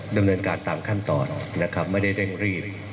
ดำเนินการตามขั้นตอนนะครับไม่ได้เร่งรีบ